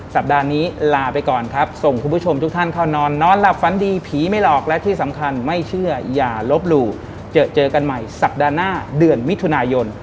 สัปดาห์นี้ลาไปก่อนครับส่งคุณผู้ชมทุกท่านเข้านอนนอนหลับฝันดีผีไม่หลอกและที่สำคัญไม่เชื่ออย่าลบหลู่เจอเจอกันใหม่สัปดาห์หน้าเดือนมิถุนายน